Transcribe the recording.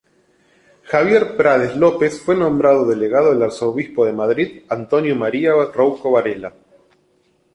Javier Prades López fue nombrado delegado del arzobispo de Madrid, Antonio María Rouco Varela.